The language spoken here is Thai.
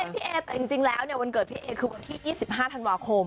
แต่จริงแล้ววันเกิดพี่เอ๊คือวันที่๒๕ธันวาคม